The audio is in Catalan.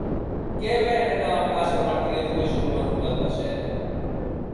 Què venen a la plaça de Martínez Hueso número noranta-set?